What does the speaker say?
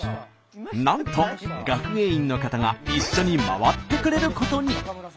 なんと学芸員の方が一緒に回ってくれることに。